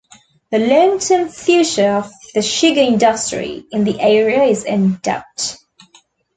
The long-term future of the sugar industry in the area is in doubt.